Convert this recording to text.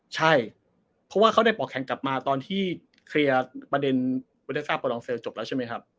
ใช่เพราะว่าเขาได้ปอกแข่งกลับมาตอนที่เคลียร์ประเด็นเวอร์ซ่าปอลองเซลลจบแล้วใช่ไหมครับ